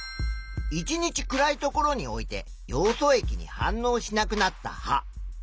１日暗い所に置いてヨウ素液に反応しなくなった葉。